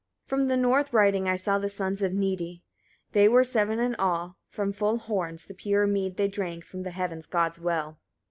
56. From the north riding I saw the sons of Nidi, they were seven in all: from full horns, the pure mead they drank from the heaven god's well.